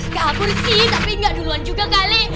gak bersih tapi gak duluan juga kale